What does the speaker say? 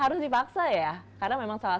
harus dipaksa ya karena memang salah